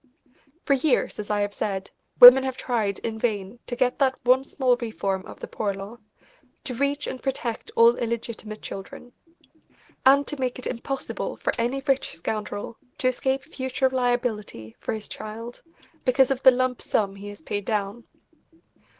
For years, as I have said, women have tried in vain to get that one small reform of the Poor Law, to reach and protect all illegitimate children, and to make it impossible for any rich scoundrel to escape future liability for his child because of the lump sum he has paid down.